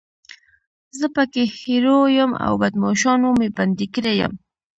زه پکې هیرو یم او بدماشانو مې بندي کړی یم.